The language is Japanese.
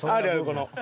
この。